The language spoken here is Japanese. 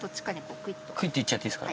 クイっといっちゃっていいですか。